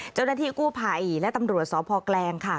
เจ้าหน้าที่กู้ภัยและตำรวจสพแกลงค่ะ